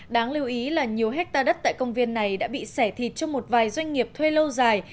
đáng lưu ý là nhiều hectare đất tại công viên này đã bị xẻ thịt cho một vài doanh nghiệp thuê lâu dài